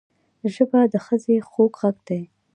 ژبه د ښځې خوږ غږ دی